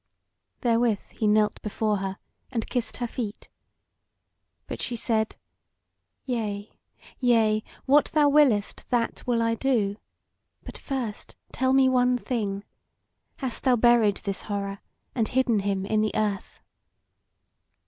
Therewith he knelt before her and kissed her feet. But she said: "Yea, yea; what thou willest, that will I do. But first tell me one thing. Hast thou buried this horror and hidden him in the earth?"